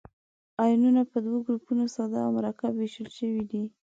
آیونونه په دوه ګروپو ساده او مرکب ویشل شوي دي.